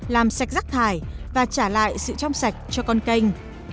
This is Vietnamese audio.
làm sạch rác thải và trả lại sự trong sạch cho con canh